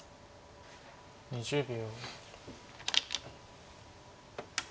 ２０秒。